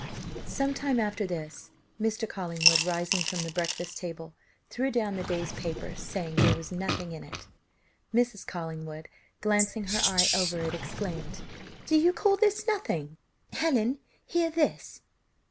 Some time after this, Mr. Collingwood, rising from the breakfast table, threw down the day's paper, saying there was nothing in it; Mrs. Collingwood glancing her eye over it exclaimed "Do you call this nothing? Helen, hear this!